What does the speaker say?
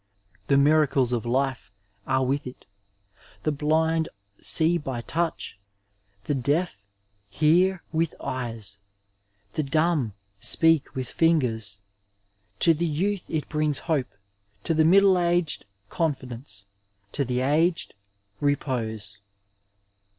The miracles of life are with it ; the blind see by touch, the deaf hear with eyes, the dumb speak with fingers. To the youth it briugs hope, to the middle aged confidence, to the aged repose.